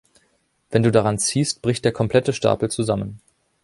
Wenn du daran ziehst, bricht der komplette Stapel zusammen.